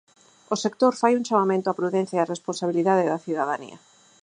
O sector fai un chamamento á prudencia e á responsabilidade da cidadanía.